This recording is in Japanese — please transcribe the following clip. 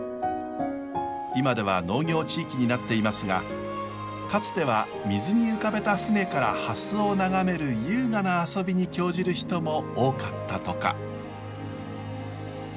今では農業地域になっていますがかつては水に浮かべた舟からハスを眺める優雅な遊びに興じる人も多かったとか。